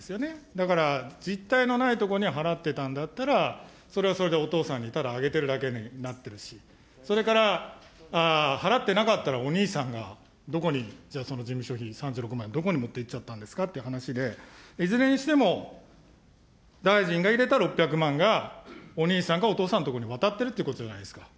だから、実体のないところに払ってたんだったら、それはそれでお父さんにただあげてるだけになってるし、それから、払ってなかったら、お兄さんがどこに、じゃあその事務所費３６万、どこに持っていっちゃったんですかっていう話で、いずれにしても、大臣が入れた６００万が、お兄さんかお父さんのところにわたってるってことじゃないですか。